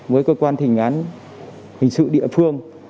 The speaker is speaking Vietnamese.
với cơ quan thình án hình sự địa phương